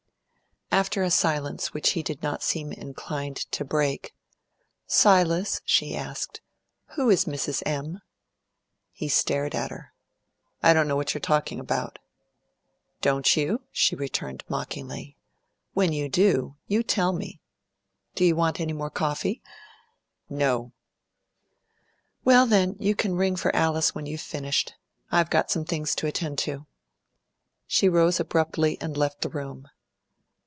After a silence which he did not seem inclined to break, "Silas," she asked, "who is 'Mrs. M.'?" He stared at her. "I don't know what you're talking about." "Don't you?" she returned mockingly. "When you do, you tell me. Do you want any more coffee?" "No." "Well, then, you can ring for Alice when you've finished. I've got some things to attend to." She rose abruptly, and left the room.